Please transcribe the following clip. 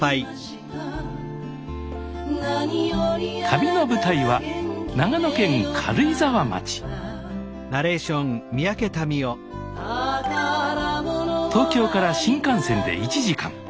旅の舞台は長野県軽井沢町東京から新幹線で１時間。